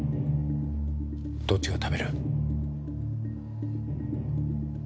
どっちが食べる？